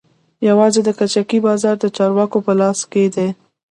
يوازې د کجکي بازار د چارواکو په لاس کښې دى.